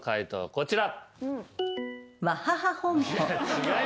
こちら。